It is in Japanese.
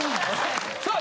さあ。